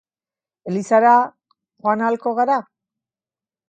Elizara joan ahalko gara?